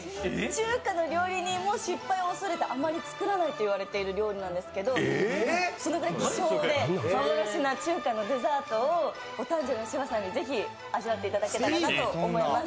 中華の料理人も失敗を恐れてあまり作らないと言われている料理なんですけどそのくらい希少で幻な中華のデザートをお誕生日の芝さんに是非味わっていただけたらなと思います。